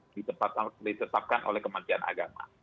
ditetapkan oleh kementerian agama